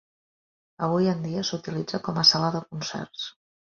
Avui en dia s'utilitza com a sala de concerts.